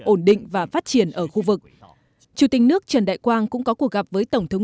ổn định và phát triển ở khu vực chủ tịch nước trần đại quang cũng có cuộc gặp với tổng thống